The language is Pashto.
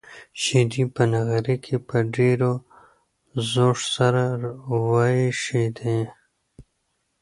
شيدې په نغري کې په ډېر زوږ سره وایشېدې.